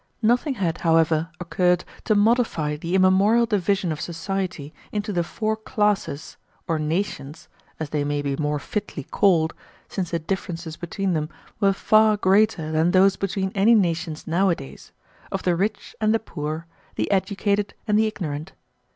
Nothing had, however, occurred to modify the immemorial division of society into the four classes, or nations, as they may be more fitly called, since the differences between them were far greater than those between any nations nowadays, of the rich and the poor, the educated and the ignorant.